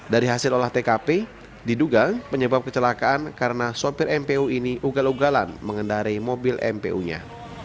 dari hasil olah tkp diduga penyebab kecelakaan karena sopir mpu ini ugal ugalan mengendarai mobil mpu nya